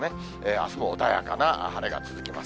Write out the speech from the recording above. あすも穏やかな晴れが続きます。